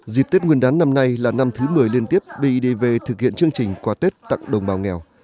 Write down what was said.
dịp tết nguyên đán năm nay là năm thứ một mươi liên tiếp bidv thực hiện chương trình quà tết tặng đồng bào nghèo